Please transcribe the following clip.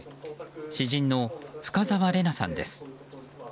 詩人の深沢レナさんです。